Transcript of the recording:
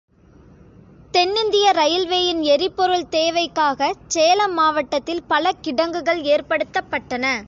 தென்னிந்திய இரயில்வேயின் எரிபொருள் தேவைக்காகச் சேலம் மாவட்டத்தில் பல கிடங்குகள் ஏற்படுத்தப்பட்டன.